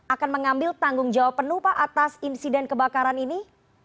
akan mengambil tanggung jawab penuh pak atas insiden kebakaran ini